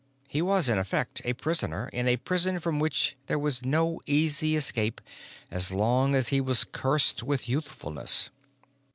He was, in effect, a prisoner, in a prison from which there was no easy escape as long as he was cursed with youthfulness....